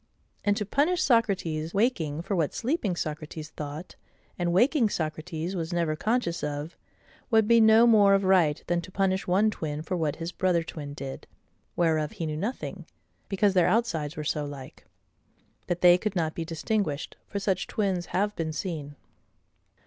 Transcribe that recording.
And to punish Socrates waking for what sleeping Socrates thought, and waking Socrates was never conscious of, would be no more of right, than to punish one twin for what his brother twin did, whereof he knew nothing, because their outsides were so like, that they could not be distinguished; for such twins have been seen.